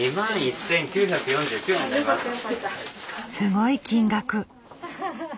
すごい金額！